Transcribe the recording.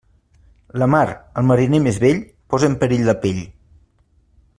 La mar, al mariner més vell, posa en perill la pell.